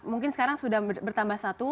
mungkin sekarang sudah bertambah satu